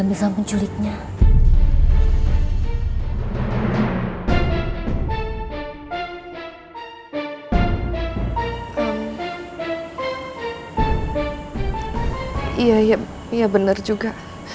iya iya bener juga